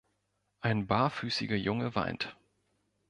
Ein barfüßiger Junge weint.